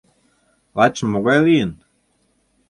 — Лачшым могай лийын?